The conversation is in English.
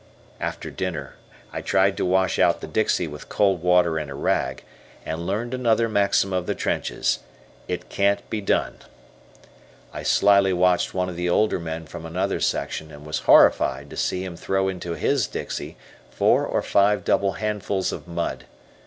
After dinner I tried to wash out the dixie with cold water and a rag, and learned another maxim of the trenches "It can't be done." I slyly watched one of the older men from another section, and was horrified to see him throw into his dixie four or five double handfuls of mud.